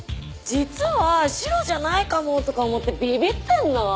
実は白じゃないかもとか思ってビビってんの？